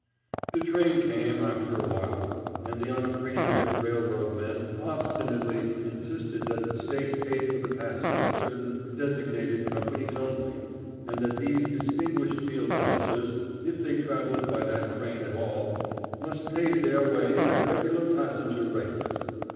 The train came, after a while, and the unappreciative railroad men obstinately insisted that the State paid for the passage of certain designated companies only, and that these distinguished field officers, if they traveled by that train at all, must pay their way at regular passenger rates.